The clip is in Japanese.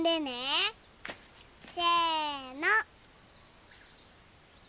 せの！